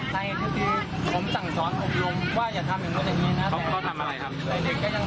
ใครที่ผมสั่งสอนพบยุงว่าอย่าทำอย่างนู้นเด็กนี้นะ